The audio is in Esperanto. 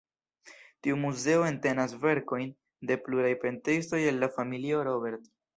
Tiu muzeo entenas verkojn de pluraj pentristoj el la familio Robert.